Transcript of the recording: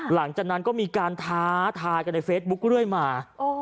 หลังจากนั้นก็มีการท้าทายกันในเฟซบุ๊คเรื่อยมา